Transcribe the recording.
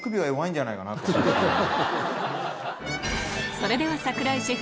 それでは櫻井シェフ